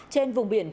trên vùng biển vĩ bắc